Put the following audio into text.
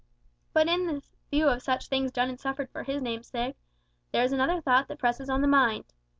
But in the view of such things done and suffered for his name's sake, there is another thought that presses on the mind.